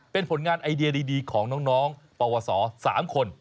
เป็นผลงานไอเดียดีของน้องปวส๓คน